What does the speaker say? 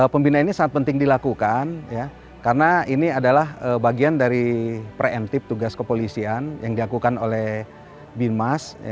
pembinaan ini sangat penting dilakukan karena ini adalah bagian dari preemptif tugas kepolisian yang diakukan oleh bin mas